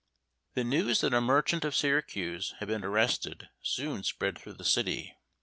The news that a merchant of Syracuse had been arrested soon spread through the city.